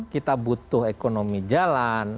kita butuh ekonomi jalan